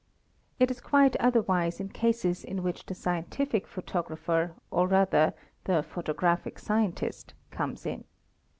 It is quite otherwise in cases in which the scientific photographer or rather the photographic scientist comes in.